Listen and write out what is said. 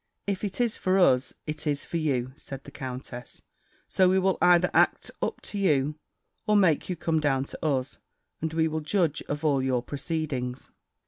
"If it is for us, it is for you," said the countess; "so we will either act up to you, or make you come down to us; and we will judge of all your proceedings."